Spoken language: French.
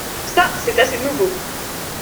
Ça c’est assez nouveau.